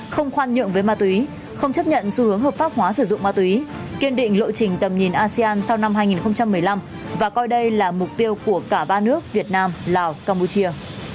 không khoan nhượng với ma túy không chấp nhận xu hướng hợp pháp hóa sử dụng ma túy kiên định lộ trình tầm nhìn asean sau năm hai nghìn một mươi năm và coi đây là mục tiêu của cả ba nước việt nam lào campuchia